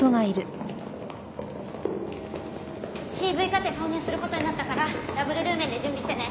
ＣＶカテ挿入する事になったからダブルルーメンで準備してね。